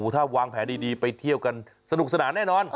ถ้าวางแผนดีไปเที่ยวกันสนุกสนานแน่นอน